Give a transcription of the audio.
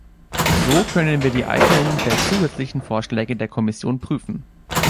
So können wir die Eignung der zusätzlichen Vorschläge der Kommission prüfen.